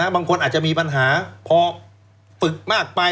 บางคนอาจจะมีปัญหาพอฝึกมากไป